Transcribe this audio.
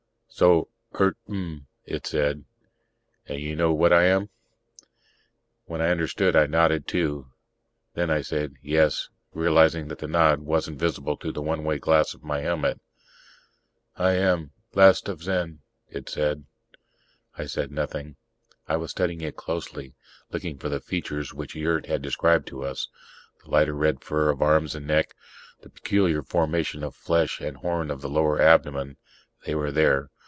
"So. Eert mn," it said. "And you know what I am?" When I understood, I nodded, too. Then I said, "Yes," realizing that the nod wasn't visible through the one way glass of my helmet. "I am last of Zen," it said. I said nothing. I was studying it closely, looking for the features which Yurt had described to us: the lighter red fur of arms and neck, the peculiar formation of flesh and horn on the lower abdomen. They were there.